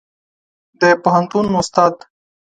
د پوهنتون استاد